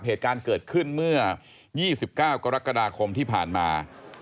เหตุการณ์เกิดขึ้นเมื่อ๒๙กรกฎาคมที่ผ่านมา